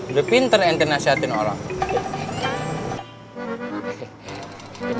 udah pinter nanti nasihatin orang